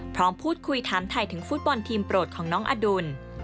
พร้อมพูดคุยถามถ่ายถึงฟุตบอลทีมโปรดของน้องอดุล